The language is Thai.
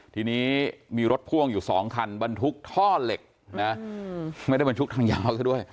ทีนี้มีรถพ่วงอยู่๒คันบรรทุกท่อเหล็กนะไม่ได้บรรทุกทางยาวซะด้วย